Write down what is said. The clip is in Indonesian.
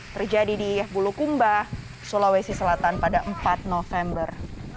terjadi di bulukumba sulawesi selatan pada empat november dua ribu dua puluh